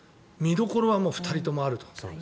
見どころは２人ともあると。